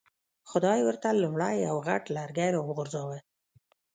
خدای ورته لومړی یو غټ لرګی را وغورځاوه.